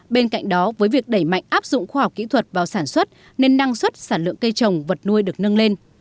bên cạnh đó với việc đẩy mạnh áp dụng khoa học kỹ thuật vào sản xuất nên năng suất sản lượng cây trồng vật nuôi được nâng lên